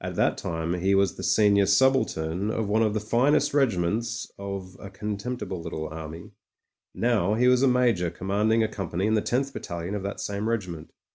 At that time he was the senior subaltern of one of the finest regiments of '^a contemptible little army''; now he was a major ccmmianding a company in the tenth battalion of that same regiment.